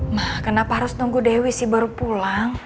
ma kenapa harus tunggu dewi sih baru pulang